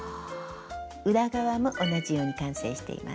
裏側も同じように完成しています。